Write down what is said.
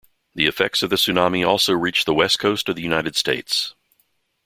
The effects of the tsunami also reached the West Coast of the United States.